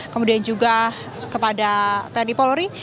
kemudian juga kepada tni polri